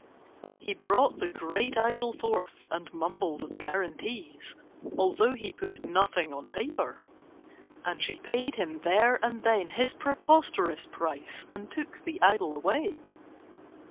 He brought the grey idol forth and mumbled of guarantees, although he put nothing on paper, and she paid him there and then his preposterous price and took the idol away.